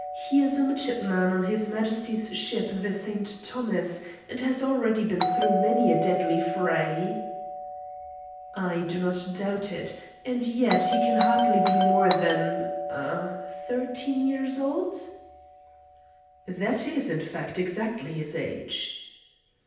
He is a midshipman on his Majesty's ship the St. Thomas, and has already been through many a deadly fray." "I do not doubt it. And yet, he can hardly be more than ah! thirteen years old?" "That is, in fact, exactly his age."